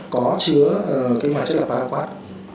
có chứa cái hoạt chất là paraquat